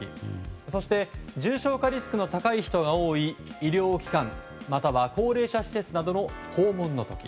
そして重症化リスクの高い人が多い医療機関、または高齢者施設などの訪問の時。